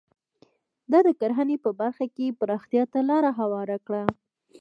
دا د کرنې په برخه کې پراختیا ته لار هواره کړه.